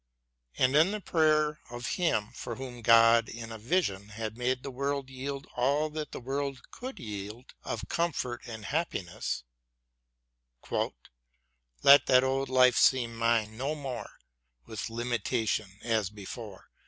and in the prayer of him for whom God in a vision had made the world yield all that the world could yield of comfort and happiness : Let that old life seem mine — no more — With limitation as before.